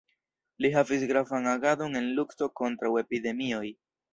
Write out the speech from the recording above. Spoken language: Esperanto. Li havis gravan agadon en lukto kontraŭ epidemioj.